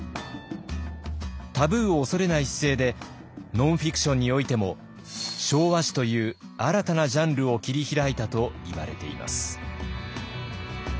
タブーを恐れない姿勢でノンフィクションにおいても昭和史という新たなジャンルを切り開いたといわれています。